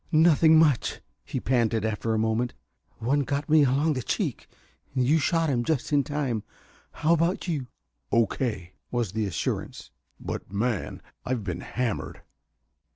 "Nothing much," he panted, after a moment. "One got me along the cheek you shot him just in time. How about you?" "O.K.," was the assurance. "But, man, I've been hammered!"